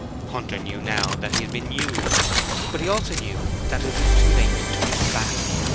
Hunter knew now that he had been used, but he also knew that it was too late to turn back.